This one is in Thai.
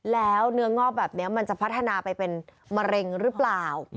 แล้วเนื้องอกแบบนี้มันจะพัฒนาไปเป็นมะเร็งหรือเปล่า